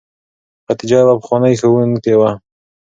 خدیجه یوه پخوانۍ ښوونکې وه.